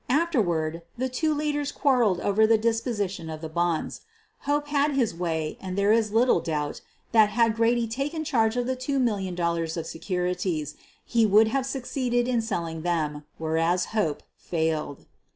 Afterward the two leaders quarreled over the disposition of the bonds. Hope had his way and there is little doubt that had Grady taken charge of the two mil lion dollars of securities he would have succeeded in selling them, whereas Hope failed.